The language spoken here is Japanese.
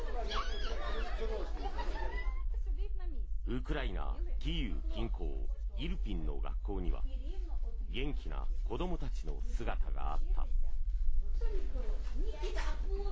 ウクライナ・キーウ近郊イルピンの学校には元気な子どもたちの姿があった。